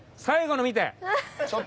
最後の見て。